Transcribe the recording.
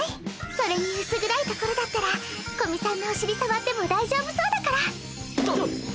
それに薄暗いところだったら古見さんのお尻触っても大丈夫そうだから。